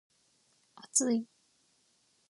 厚い